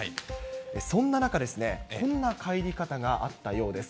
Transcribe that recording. そんな中、こんな帰り方があったようです。